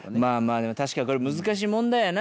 でも確かにこれ難しい問題やな。